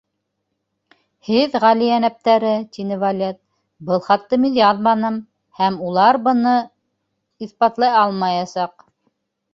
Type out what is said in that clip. —Һеҙ Ғали Йәнәптәре, —тине Валет, —был хатты мин яҙманым, һәм улар быны иҫбатлай алмаясаҡ.